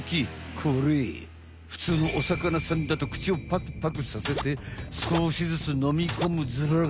これふつうのお魚さんだと口をパクパクさせてすこしずつのみ込むズラが。